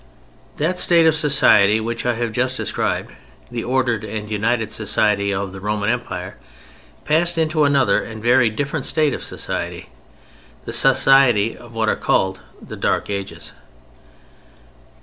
That state of society which I have just described, the ordered and united society of the Roman Empire, passed into another and very different state of society: the society of what are called "The Dark Ages."